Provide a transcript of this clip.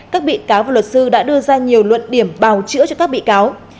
các bị cáo và luật sư đã đưa ra nhiều luận điểm bào chữa cho các bị cáo